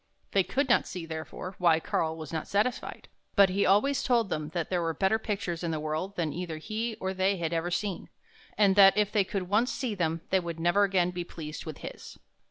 They could not see, therefore, why Karl was not satisfied. But he 49 THE HUNT FOR THE BEAUTIFUL always told them that there were better pictures in the world than either he or they had ever seen, and that if they could once see them, they would never again be pleased with his.